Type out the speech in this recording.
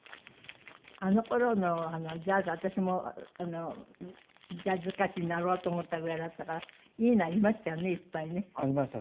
あの頃のジャズ私もジャズ歌手になろうと思ったぐらいだったからいいのありましたよねいっぱいね。ありました。